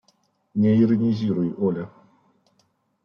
Не иронизируй, Оля.